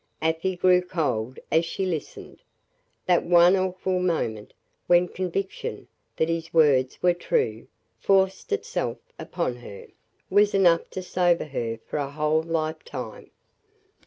Afy grew cold as she listened. That one awful moment, when conviction that his words were true, forced itself upon her, was enough to sober her for a whole lifetime.